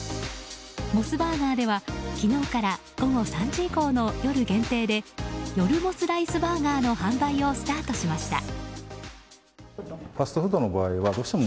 モスバーガーでは昨日から午後３時以降の夜限定で夜モスライスバーガーの販売をスタートしました。